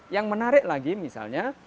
yang menarik lagi misalnya